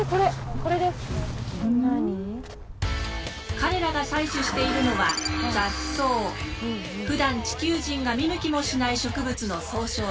彼らが採取しているのはふだん地球人が見向きもしない植物の総称だ。